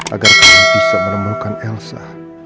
agar kalian bisa menemukan elsa